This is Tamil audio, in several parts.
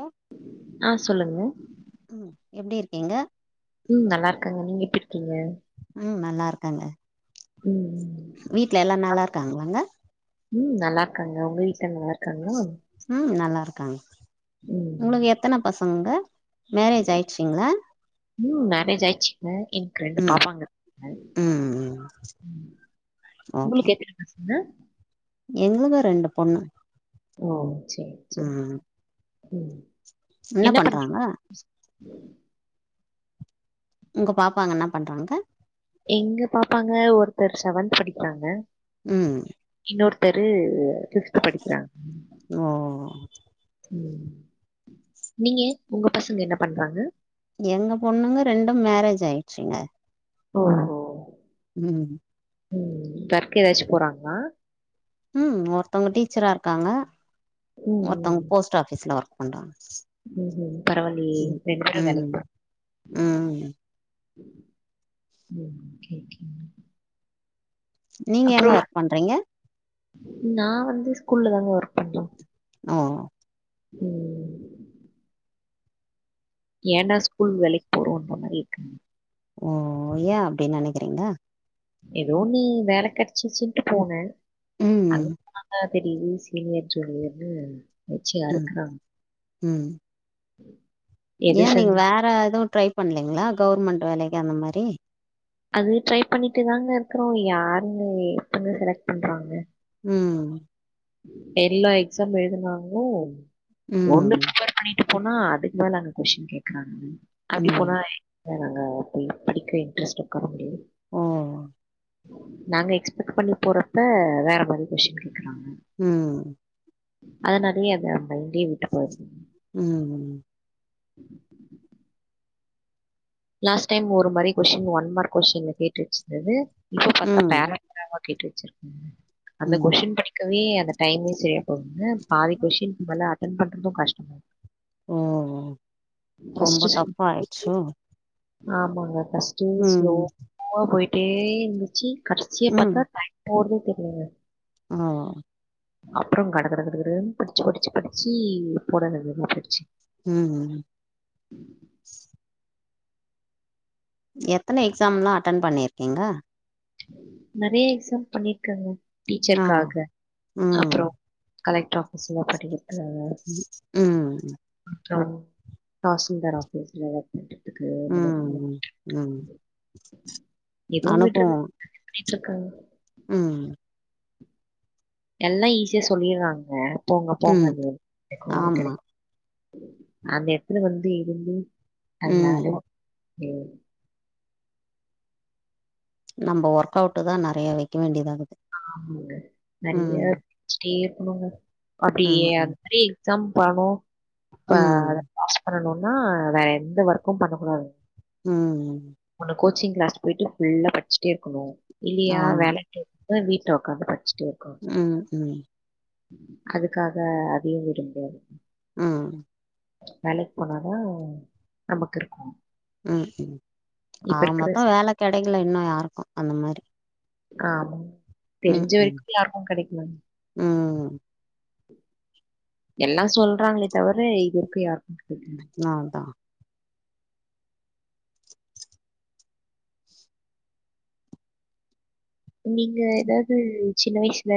ஒ ஆ சொல்லுங்க ம் எப்டி இருக்கீங்க ம் நல்லா இருக்கங்க நீங்க எப்டி இருக்கீங்க ம் நல்லா இருக்கங்க ம். வீடல எல்லா நல்லா இருக்காங்ளாங்க ம் நல்லா இருக்காங்க உங்க வீட்ட நல்லா இருக்காங்களா? ம் நல்லா இருக்காங்க ம் உங்ளுக்கு எத்தன பசங்கங்க மேரேஜ் ஆயிச்சிங்ளா ம் மேரேஜ் ஆயிச்சிங்க எனக் ரெண்டு ம் பாப்பாங்க ங்க ம் ம் உங்ளுக்கு எத்தன பசங்க எங்ளுகு ரெண்டு பொண்ணு ஓ சேரி சேரி ம் ம் என்ன பண்றீங் உங்க பாப்பாங்க என்ன பண்றாங்க எங்க பாப்பாங்க ஒருத்தர் செவன்த் படிக்றாங்க ம் இன்னொருத்தரு சிக்த் படிக்கிறாங் ஓ ம் நீங்க உங்க பசங்க என்ன பண்றாங்க எங்க பொண்ணுங்க ரெண்டும் மேரேஜ் ஆயிச்சிங்க ஓஹோ ம் ம் சர்க் ஏதாச்சு போறாங்களா ம் ஒர்த்தவங்க டீச்சரா இருக்காங்க ம் ஓர்த்தவங்க போஸ்ட்ஆபீஸ்ல ஒர்க் பண்றாங்க ம் ம் பரவாயில்லயே ம் ரெண்டு பேரும் வேலைக் ம் பேறா ம் ம் ஓகே ஓகே நீங்க எங்க அப்புறோ ஒர்க் பண்றீங்க நா வந்து ஸ்கூல்ல தாங்க ஒர்க் பண்லா ஓ ம் ஏன்டா ஸ்கூல் வேலைக்கு போறோன்ற மாரி இருக்கு ஓ ஏ அப்டி நெனைக்கிறீங்க ஏதோ நீ வேல கெடைச்சிச்சுன்ட்டு போன ம், அதுனால பெரிய சீனியர் ஜூனியர்ன்னு வெச்சி ம், அறுக்குறாங்க ம் எது ஏ நீங்க செஞ்சா வேற எதுவு ட்ரை பண்லீங்ளா கவுர்மெண்ட் வேலைக்கு அந்த மாரி அது ட்ரை பண்ணிட்டு தாங்க இருக்குறோ யாருங்க எப்ப செலக்ட் பண்றாங்க ம் எல்லோ எக்ஸாம் எழுதினாங்லு ஒண்ணு ம், வர்ல பண்ணிட்டு போனா அதுக்கு மேல அங்க கொஷ்ன் கேக்குறாங்க அப்டி ம். போனா நாங்க போய் படிக்க இன்ட்ரெஸ்ட் உக்கார முடியுது ஓ நாங்க எக்ஸ்பெக்ட் பண்ணி போறப்ப வேற மாரி கொஸ்ன் கேக்றாங்க ம் அதனாலயே அத நம்ம இங்கயே விட்டு போயிரோ ம் லாஸ்ட் டைம் ஒரு மாரி கொஸ்டின் ஒன் மார்க் கொஸின்ல கேட்டு வச்சிருந்தது இப்ப பாத்தா ம், பேறா பேறாவா இருக்கு கேட்டு வச்சிருக்கா அந்த ம். கொஸ்டின் படிக்கவே அந்த டைமே செரியா ஒன்னு பாதி கொஸ்டின்க்கு மேல அட்டென் பண்றது கஷ்டோ ஓ ஓ ரொம்ப டஃப் ஆயிடுச்சோ ஆமாங்க ஃபஸ்ட்டே ம், ஸ்லோவா போயிட்டே இருந்துச்சு கடைசிய பாத்தா டைம் போறதே தெரிலங்க ஆமா அப்றோ கட கட கடன்னு படிச்சி படிச்சி படிச்சி போட வேண்டியதா போச்சு ம் ம் எத்தன எக்ஸாம்லா அட்டன் பண்ணிருக்கீங்க நெறைய எக்ஸாம் பண்ணிருக்கங்க ஆ. டீச்சர்காக ம், அப்றோ கலெக்டர் ஆஃபீஸ்ல படிக்கிறது ம் ம் அப்றோ தாசில்தார் ஆஃபீஸ்ல அதுக்கு அந்த மாரி ம், ம். எதுவு விட்றதுல்ல அனுபவம். பேய்ட்டுருக்கங் ம் எல்லா ஈஸியா சொல்லிர்றாங்க போங்க ம். போங்கனு கெடைக்கு ஆமா. கெடைக் அந்த எடதுல வந்து இருந்து ம். [unintelligible] நம்ப ஒர்க் அவுட் தா நெறைய வைக்க வேண்டியதா இருக்கு ஆமாங்க நெறைய வச்சிட்டே இருக்குணுங்க அப்டியே அது ம் மேரி எக்ஸாம் பண்ணோ ஆ அத ம் பாஸ் பண்ணுனா வேற எந்த ஒர்க்கு பண்ணக்கூடாது ம் ஒன்னு கோச்சிங் கிளாஸ் போயிட்டு ஃபுல்லா படிச்சிட்டே இருக்குணு இல்லியா ஆமா வேலைக்கு த வீட்ல ஒக்காந்து படிச்சிட்டே இருக்கு அ ம் அதுக்காக அதையு விட முடியாது ம் வேலைக்கு போனாதா நமக்கு இருக்கு ம் ம் ஆக மொத்தோ வேல கெடைக்கல இன்னு யாருக்கு அந்த மாரி ஆமா ம் தெரிஞ்ச ம் வரைக்கு யாருக்கு கெடைக்ல ம் எல்லா சொல்றாங்களே தவுர இது வரைக்கு யாருக்கு கெடைக் நான்தா நீங்க எதாவது சின்ன வயசுல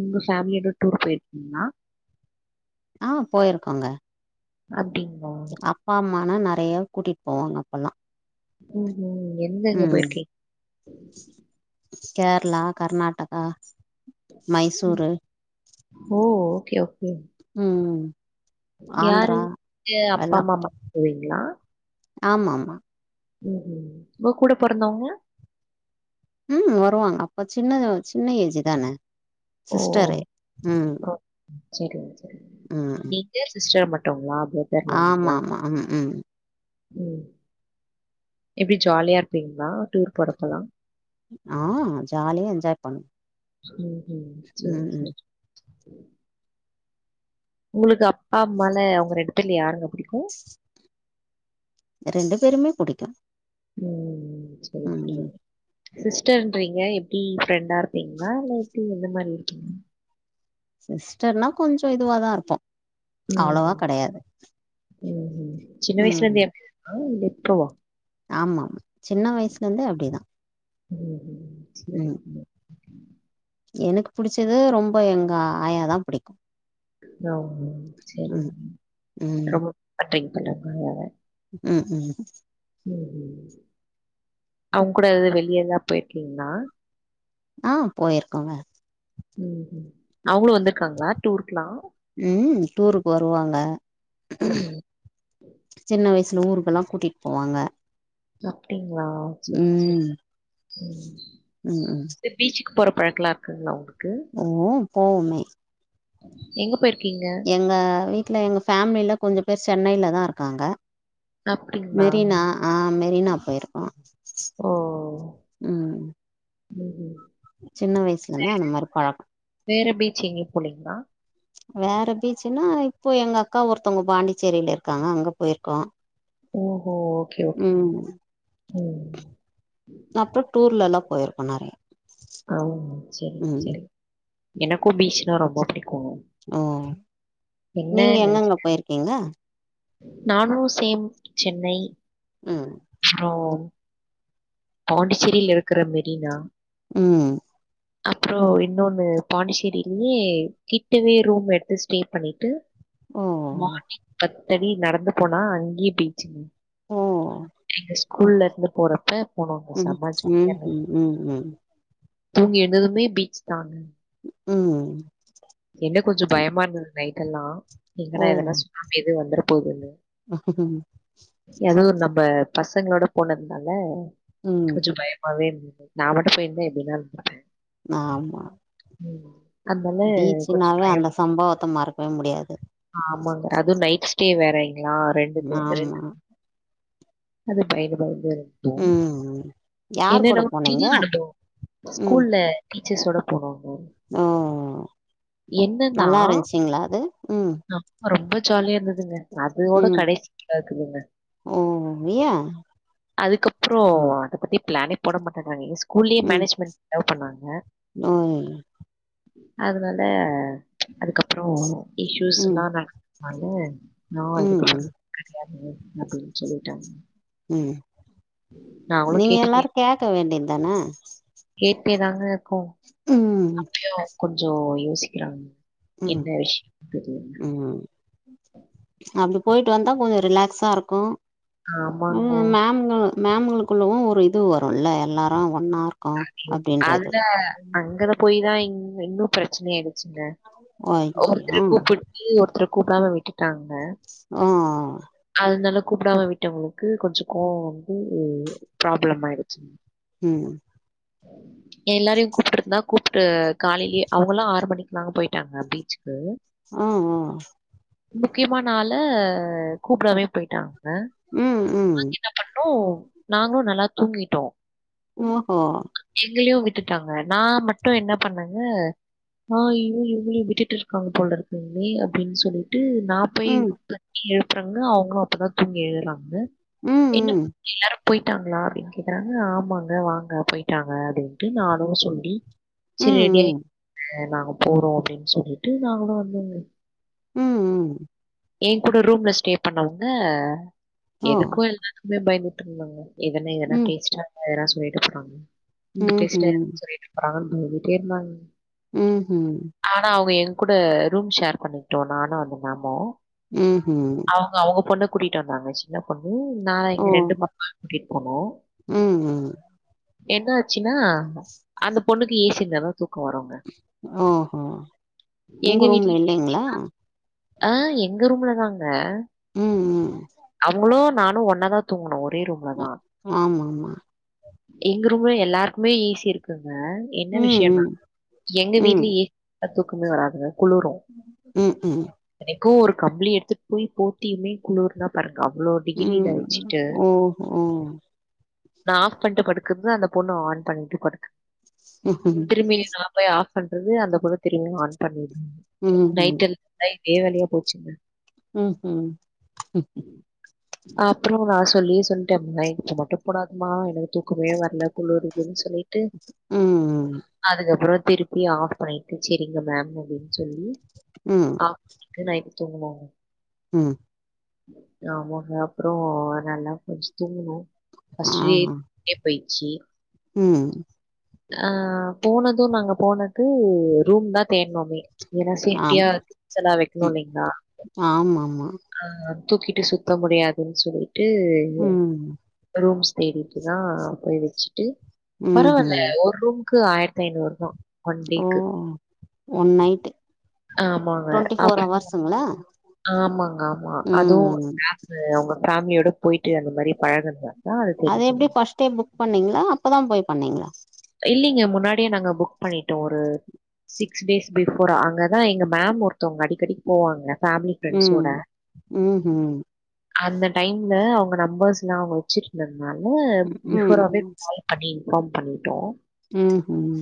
உங்க ஃபேமிலியோட டூர் போயிருக்கீங்களா ஆ போயிருக்கோங்க அப்டிங்ளா அப்பா அம்மானா நெறைய கூட்டிட் போவாங்க அப்பல்லா ம் ஹும் எங்கெங்க போயிருக்கிங்க கேர்ளா கர்நாடகா ம். மைசூரு ஓ ஓகே ஓகே ம் ஆந்திரா யாருக்கு அப்பா அம்மா மட்டு போவீங்ளா ஆமாம்மா ம் ம் உங்க கூட பொறந்தவுங்க ம் வருவாங்க அப்ப சின்ன சின்ன ஏஜு தான சிஸ்டரு ம் செரிங்க செரி ம் நீங்க சிஸ்டரு மட்டுங்களா சேர் வேற எதுவு ஆமா இல்லைங்களா ஆமா ம் ம் ம் எப்டி ஜாலியா இருப்பீங்களா டூர் போறப்பலாம்? ஆ ஜாலியா என்ஜாய் பண் ம் ம் சேரி சேரி உங்களுக்கு அப்பா அம்மால அவுங்க ரெண்டு பேர்ல யாருங்க பிடிக்கு உஹம் ரெண்டு பேருமே புடிக்கு ம் சேரி ம் சேரி ம் சிஸ்டர்ன்றீங்க எப்டி ஃப்ரெண்டா இருப்பீங்களா இல்ல எப்டி எந்த மாரி இருக்கீங்க சிஸ்டர்னா கொஞ்ச இதுவாதா இருப்போ அவ்ளோவா கெடையாது ம் ம் சின்ன வயசுல ம் இருந்தே அப்டிதானா இல்ல இப்போவா ஆமா சின்ன வயசுல இருந்து அப்டிதா ம் ம் ம் எனக்கு புடிச்சது ரொம்ப எங்க ஆயாதா புடிக்கு ஓ ஓ செரி ம் மேம் ம் ரொம்ப பண்றீங்க மேடம் அதுனால ம் ம் ம் ம் அவுங்க கூட எதுவு வெளியேல்லா போயிருக்கீங்கன்னா ஆ போயிருக்கோங்க ம் ம் அவுங்களு வந்துருக்காங்களா டூர்க்குலா ம் டூருக்கு வருவாங்க ம் சின்ன வய்சுல ஊருக்கெல்லா கூட்டிட் போவாங்க சாப்டிங்ளா செரி செரி ம் உம் ம் ம் பீச்சுக்கு போற பழக்கலா இருக்குங்ளா உங்குளுக்கு ஓ போவுமே எங்க போயிருக்கீங்க எங்க வீட்ல எங்க ஃபேமிலில கொஞ்ச பேர் சென்னையில தான் இருக்காங்க அப்டிங்களா? மெரினா ஆ மெரினா போயிருக்கோ ஓ ம் உம் சின்ன வயசுல இந்து அந்த மாரி பழக்க வேற பீச் எங்கியு போளிங்ளா வேற பீச்சுன்னா இப்போ எங்க அக்கா ஒருத்தவங்க பாண்டிச்சேரியில இருக்காங்க அங்க போயிருக்கோ ஓஹோ ஓகே ஓகே ம் உம் அப்ற டூர்லல்லா போயிருக்கோ நெறைய ஆ செரி ம் செரி எனக்கும் பீச்னா ரொம்ப புடிக்கும் ஆ நானும் சேம் சென்னை ம் ப்ரோ பாண்டிச்சேரியில இருக்கற மெரினா ம் ப்ரோ இன்னொன்னு பாண்டிச்சேரியிலயே கிட்டவே ரூம் எடுத்து ஸ்டே பண்ணிட்டு ஓ மார்னிங் பத்தடி நடந்து போனா அங்கே பீச்சுங் ஓ எங்க ஸ்கூல்ல இந்து போறப்ப போனங்க ம் செம ஜாலியா ம் இருந்தது ம் ம் ம் தூங்கி எழுந்ததுமே பீச் தாங்க உம் என்ன கொஞ்சம் பயமா இருந்தது நைட்டு எல்லா ஓ எங்கடா எதனா சுனாமி ஏதும் வந்துட போகுது [unintelligible] ஏதோ நம்ம பசங்களோட போனதுனால ம் கொஞ்சோ பய மாவே [inaudible] நா மட்டு போயிருந்தா எப்டினா [inaudible] ஆமா ம் அதனால கொஞ்சம் இதுனாலவே பயம் அந்த சம்பவத்த மறக்கவே முடியாது ஆமாங்க அதுவு நைட் ஸ்டே வேறைங்ளா ரெண்டு பே ரெண்டு ஆமா அது பயந்து பயந்து ம் யார் என்னன்னா கூட இது போனீங்க நடந்தும் ஸ்கூல்ல டீச்சர்ஸ் ஓட போனோங்கோ ஆ நல்லா இருஞ்ச்சிங்ளா அது உம் ஆமா ரொம்ப ஜாலியா இருந்ததுங்க அது ஓட ம் கடைசியா [inaudible] ஓ யா அதுக்கப்றோ அத பத்தி பிளான்னே போட மாட்டங்க [inaudible] ஸ்கூல்லையே ம் மேனேஜ்மென்ட் அலோ பண்ணாங்க ஓ அதனால அதுக்கப்றோ ம் இஷூஸ்ல்லா நட நானு நா ம் இதுக்கப்பறம் கெடையாது அப்டின் சொல்லிட்ட நீங்க கேட்டுட்டே எல்லாரு கேக்க வேண்டி தான கேட்டேதாங்க இர்க்கோ ம் கொஞ்சோ யோசிக்குறாங்க ம் ம் அப்டி போயிட்டு வந்தா கொஞ்சொ ரிலாக்ஸா இருக்கும் ஆமாங்க. ம் மேம்களு மேம்களுக்குள்ளவு ஒரு இது வரும்ல்ல எல்லாரு ஒன்னா இருக் அதுல அங்கத போயிதா இ இன்னு பிரச்சனயாருக்கு ஓ ஒருத்தர ஐயோ கூப்புட்டு ஒருத்தர கூப்புடாம விட்டுட்டாங்க ம் ம் அதனால கூப்புடாம விட்டவங்களுக்கு கொஞ்சோ கோவோ வந்து ப்ராப்ளம் ஆயிருச்சு ம் எல்லாரையு கூப்பிட்டுருந்தா கூப்புட்டு காலையிலயே அவங்கல்லா ஆறு மணிக்கு மேம்ங்க போயிட்டாங்க பீச்சிக்கு ம் ம் முக்கியமான ஆல கூப்புடாமே போயிட்டாங்க ம் ம் என்ன பண்ணோ நாங்களு நல்லா தூங்கிட்டோ ஓ ஹோ எங்களயு விட்டுட்டாங்க நா மட்டு என்ன பண்ணேங்க நா அய்யோ இவுங்களயு விட்டுட்டு இருக்காங்க போல இருக்குங்ளே அப்டின்னு சொல்லி ட்டு நா போயி ம் தட்டி எழுப்புறங்க அவங்களு அப்பதா தூங்கி எழுறாங்க ம் என்ன [unintelligible] ம் எல்லாரு போயிட்டாங்களா அப்பிடின்னு கேக்குறாங்க ஆமாங்க வாங்க போயிட்டாங்க அப்டின்ட்டு நானு சொல்லி ம் சேரி ம் [unintelligible] நாங்க போறோ அப்டின்னு சொல்லிட்டு நாங்களு வந்தோக ம் ம் எ கூட ரூம்ல ஸ்டே பண்ணவங்க ஓ எதுக்கு எல்லாத்துக்குமே பயந்துட்டு இருந்தோங்க எதனே எதா ம் பேசிட்டாங்க எதல்லா சொல்லிட போறாங்க இந்த பேசிட்டே சொல்லிட்டே போறாங்கன்னு போயிட்டே இருந்தாங்க ம் ஹு ஆனா அவங்க எங்க கூட ரூம் ஷேர் பண்ணிட்டோ நானு அந்த மேம்மோ ம் ஹூ அவங்க அவங்க பொண்ண கூட்டிட்டு வந்தாங்க சி ன்ன பண்ணு நா எங்க ரெண்டு பாப்பாவையு கூட்டிட்டு போனோ ம் ம் என்ன ஆச்சின்னா அந்த பொண்ணுக்கு ஏசி இருந்தாத தூக்கோ வருங்க ஓஹோ உங்க எங்க ரூம்ல வீட்லேயு ஏ சி இல்லைங்களா [inaudible] அ எங்க ரூம்ல தாங்க ம் ம் அவங்களு நானு ஒன்னாதா தூங்ணோ ஒரே ரூம்ல அ தா ஆமாமா எங்க ரூம்ல எல்லார்க்குமே ஏ சி இருக்குங்க என்ன ம் விஷயனா ம் எங்க ம் வீட்ல ஏ சி இருந்தா தூக்குமே வராதுங்க குளுறு ம் ம் எனக்கு ஒரு கம்ப்ளி எடுத்துட்டு போய் போட்டியுமே குளிர்னா பாருங்க அவ்ளோ டிகிரில ம் வச்சுட்டு, ஓஹோ நா ஆஃப் பண்ட்டு படுக்குறது அந்த பொண்ணு ஆன் பண்ட்டு படுக்க ம் திரும்பி நா போய் ஆஃப் பண்றது அந்த பொண்ணு திரும்பி ஆன் பண்ணிடு நைட் எல் நைட் இதே வேலையா போச்சுங்க ம் ஹூ அப்ரோ நா சொல்லியே சொல்லிட்டே நைட்டு மட்டு போடாதமா எனக்கு தூக்கமே வரல குளிறுதுன்னு சொல்லி ம் அதுக்கப்ரோ திருப்பி ஆஃப் பண்ணிட்டு செரிங்க மேம் அப்டின்னு சொல்லி ம்ம் [inaudible] நைட் தூங்குவோ ம் ஆமா அப்றோ நல்லா கொஞ்ச தூங்கணு ஆ பஸ்ரீ [inaudible] பயிச்சி ம் அ போனதும் நாங்க போனது ரூம் தா தேட்னோமே எல்லா சேஃப்டியா ஆமா திங்ஸ்ல்லாம் வைக்கணு ம் இல்லைங்ளா ஆமாமா ஆமா தூக்கிகிட்டு சுத்த முடியாதுன்னு சொல்லிட்டு ம் ரூம்ஸ் தேடிட்டுதா போய் வச்சுட்டு பரவால்ல ம்ஹூம் ஒரு ரூம் க்கு ஆயிரத்தி ஐநூறுவா ஓ ஒன் நைட்டு ஆமாங்க டுவெண்ட்டி ஃபோர் அப்ப ஹவர்ஸுங்களா ஆமாங்க ஆமா அதுவு ம் நீங்க உங்க ஃபேமிலியோட போயிட்டு அந்த மாரி பழகுனா தா அது தெரிஞ்சிரு நேத்தே புக் பண்ணீங்ளா அப்பதா போய் பண்ணீங்ளா இல்லைங்க முன்னாடியே நாங்க புக் பண்ணிட்டோ ஒரு சிக்ஸ் டேஸ் பிஃபோர் அங்கதா எங்க மேம் ஒருத்தவுங்க அடிக்கடி போவாங்க ஃபேம்லி ம் ஃப்ரெண்ட்ஸோட ம்ஹும் அந்த டைம்ல அவுங்க நம்பர்ஸ்லா அவுங்க வச்சிருந்த்னால ம் பிஃபோராவே அப்டி இன்ஃபார்ம் பண்ணிட்டோ உம் உம்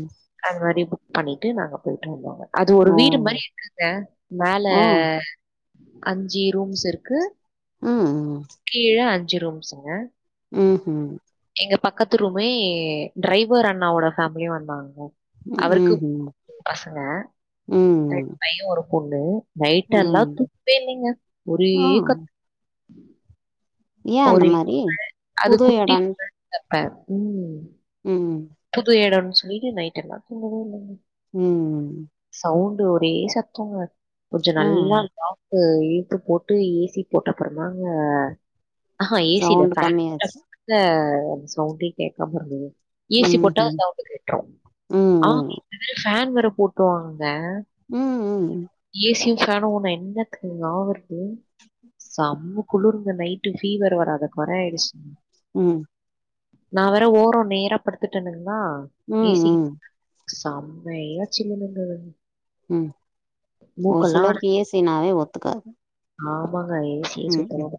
அது மாரி புக் பண்ணிட்டு நாங்க போயிட்டு வந்தோங்க அது ஒரு ஓ வீடு மாரி இருக்குங்க மேல ஓ அஞ்சு ரூம்ஸ் இருக்கு ம் கீழ அஞ்சு ரூம்ஸ்ங்க உம் உம் எங்க பக்கத்து ரூமே டிரைவர் அண்ணாவோட ஃபேமிலியு வந்தாங்க அவருக்கு ம்ஹும் பசங்க ம் [inaudible] பையன் ஒரு பொண்ணு நைடெல்லா ம் துக்கமே இல்லைங்க ஒரே ஆ கத் ஏ அந்த ஒரே மாரி [inaudible] அது புது குட்டி பசங்க உம் உம் புது எடொன்னு சொல்லிட்டு நைட் எல்லாம் தூங்கவே இல்ல உம் சவுண்டு ஒரே சத்தொங்க கொஞ்ச ஆ நல்லா லாக்கு இழுத்து போட்டு ஏசி போட்டப்றந்தாங்க ஆஹா ஏசி இல்ல சவுண்ட் ஃபேன் போட்ட கம்மியாச்சு அப்றம் தாங்க சவுண்டே கேக்காம இருந்தது ஏசி போட்டா ம்ஹும் சவுண்டு கெட்ரு ம் ஆ ம் [inaudible] ஃபேன் வேர போட்ருவாங்க ம் ம் ஏசியு ஃபேனு உன்ன என்னத்துங் ஆவ்றது செம்ம குளுர்து நைட்டு ஃபீவர் வராத கொற ஆயிடுச் ம் நா வேற ஓர நேரா படுத்ட்ருந்தேனுங்கா ம் ஏசி ம் செம்மையா சில்லுனுந்தது ம் ஒர் சிலருக் அடச்சு ஏசின்னாவே ஒத்துக்காது ஆமாங்க ஏசியே ம் சுத்தமா